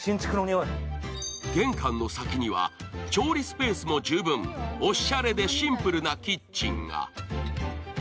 玄関の先には調理スペースも十分、おしゃれでシンプルなキッチンが。